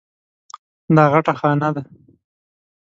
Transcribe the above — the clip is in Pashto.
دا غټه خانه ده.